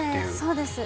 そうですね。